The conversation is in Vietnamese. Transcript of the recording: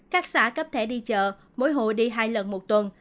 các xã cấp thể đi chợ mỗi hồ đi hai lần một tuần